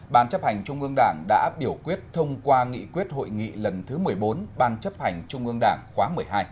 ban chấp hành trung ương đảng đã biểu quyết thông qua nghị quyết hội nghị lần thứ một mươi bốn ban chấp hành trung ương đảng khóa một mươi hai